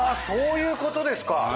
そういうことですか。